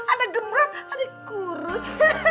ada gembrang ada kurus